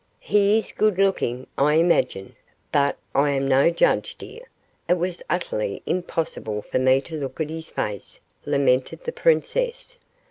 "He is good looking, I imagine, but I am no judge, dear. It was utterly impossible for me to look at his face," lamented the princess.